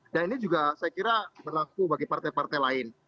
dan ini juga saya kira berlaku bagi partai partai lain